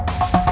aku kasih tau